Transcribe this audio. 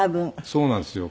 そうなんですよ。